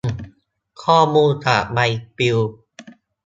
ข้อมูลจากใบปลิว